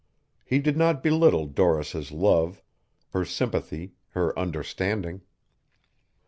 He did not belittle Doris' love, her sympathy, her understanding.